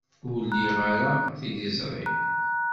Ur liɣ ara tiliẓri.